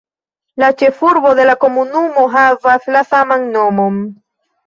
La ĉefurbo de la komunumo havas la saman nomon.